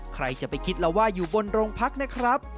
ใครจะไปคิดแล้วว่าอยู่บนโรงพักนะครับ